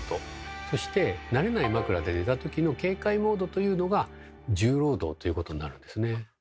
そして慣れない枕で寝た時の警戒モードというのが「重労働」ということになるんですね。